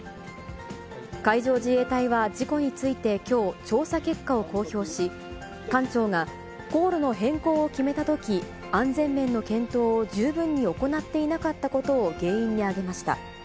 海上自衛隊は事故についてきょう、調査結果を公表し、艦長が航路の変更を決めたとき、安全面の検討を十分に行っていなかったことを原因に挙げました。